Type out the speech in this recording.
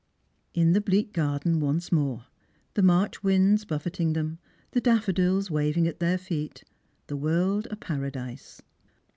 In the bleak garden once more, the March winds buffeting them, the daffodils waving at their feet, the world a paradise.